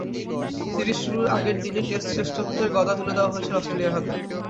Series শুরুর আগের দিনই টেস্ট শ্রেষ্ঠত্বের গদা তুলে দেওয়া হয়েছিল অস্ট্রেলিয়ার হাতে।